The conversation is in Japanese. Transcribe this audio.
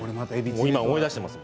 今、思い出しています。